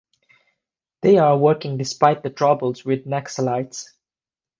They are working despite the troubles with Naxalites.